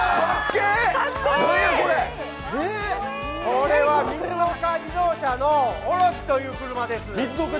これは光岡自動車のオロチという車です。